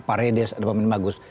paredes ada pemain bagus